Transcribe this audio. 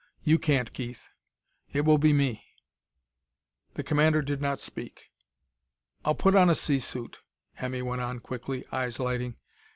You can't, Keith. It will be me." The commander did not speak. "I'll put on a sea suit," Hemmy went on quickly, eyes lighting.